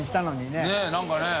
ねぇ何かね。